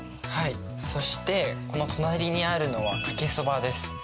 そしてこの隣にあるのはかけそばです。